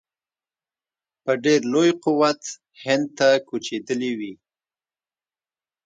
په ډېر لوی قوت هند ته کوچېدلي وي.